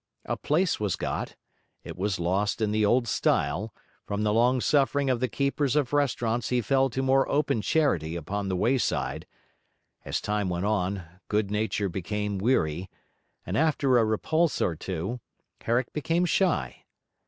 A place was got, it was lost in the old style; from the long suffering of the keepers of restaurants he fell to more open charity upon the wayside; as time went on, good nature became weary, and after a repulse or two, Herrick became shy.